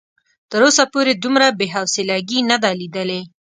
تر اوسه پورې دومره بې حوصلګي نه ده ليدلې.